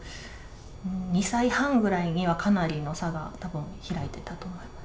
２歳半ぐらいにはかなりの差がたぶん開いてたと思います。